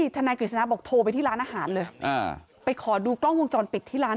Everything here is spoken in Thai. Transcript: ทนายกฤษณะบอกโทรไปที่ร้านอาหารเลยไปขอดูกล้องวงจรปิดที่ร้าน